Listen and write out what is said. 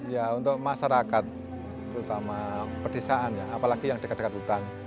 ya untuk masyarakat terutama perdesaan ya apalagi yang dekat dekat hutan